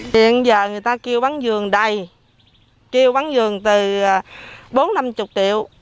hiện giờ người ta kêu bán vườn đầy kêu bán vườn từ bốn năm mươi triệu